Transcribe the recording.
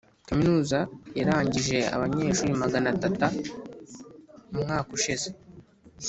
kaminuza yarangije abanyeshuri magana tata umwaka ushize.